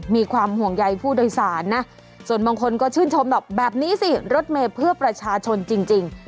มีความห่วงใยผู้โดยสารนะส่วนบางคนก็ชื่นชมหรอกแบบนี้สิรถเมย์เพื่อประชาชนจริง